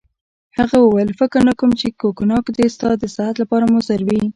هغه وویل: فکر نه کوم چي کوګناک دي ستا د صحت لپاره مضر وي.